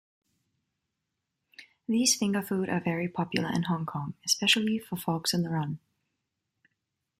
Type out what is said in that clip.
These fingerfood are very popular in Hong Kong, especially for folks on the run.